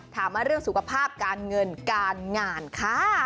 ถามมาเรื่องสุขภาพการเงินการงานค่ะ